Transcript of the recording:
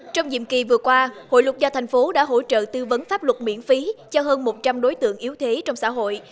trong nhiệm kỳ vừa qua hội luật gia thành phố đã hỗ trợ tư vấn pháp luật miễn phí cho hơn một trăm linh đối tượng yếu thế trong xã hội